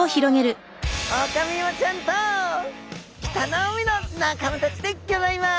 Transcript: オオカミウオちゃんと北の海の仲間たちでギョざいます！